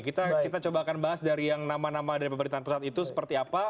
kita coba akan bahas dari yang nama nama dari pemerintahan pusat itu seperti apa